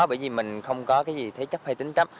bởi vì mình không có cái gì thế chấp hay tính chấp